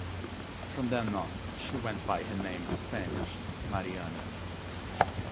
From then on, she went by her name in Spanish, "Mariana".